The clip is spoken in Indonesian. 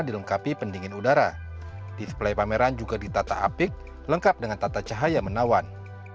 dilengkapi pendingin udara display pameran juga ditata apik lengkap dengan tata cahaya menawan